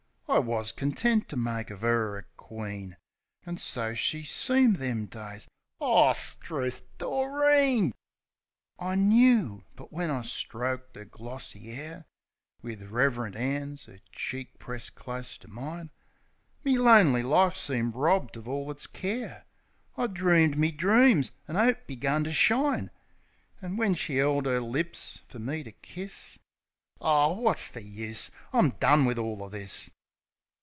I wus content to make of 'er a queen; An' so she seemed them days ... O, 'struth !... Doreen ! THE STROR 'AT COOT 4» I knoo. But when I stroked 'er glossy 'air Wiv rev'rint 'ands, 'er cheek pressed close to mine, Me lonely life seemed robbed of all its care ; I dreams me dreams, an' 'ope begun to shine. An' when she 'eld 'er lips fer me to kiss. ... Ar, wot's the use ? I'm done wiv all o' this